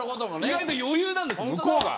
意外と余裕なんです向こうが。